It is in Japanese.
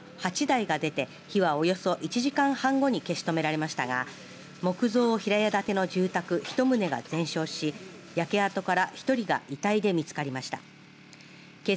消防車など８台が出て火はおよそ１時間半後に消し止められましたが木造平屋建ての住宅１棟が全焼し焼け跡から１人が遺体で見つかりました。